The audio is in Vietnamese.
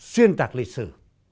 xuyên tạc lịch sử